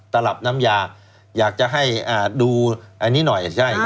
ตลับน้ำยาอยากจะให้ดูอันนี้หน่อยใช่